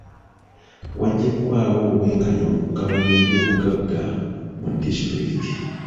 Wajja kubawo obw'enkanya mu kugabanya eby'obugagga mu disitulikiti.